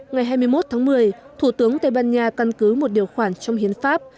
ngày hai mươi một tháng một mươi thủ tướng tây ban nha căn cứ một điều khoản trong hiến pháp